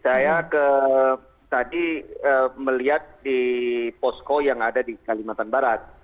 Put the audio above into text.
saya tadi melihat di posko yang ada di kalimantan barat